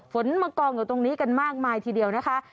ฝนมากองอยู่ตรงนี้กันมากมายทีเดียวนะคะ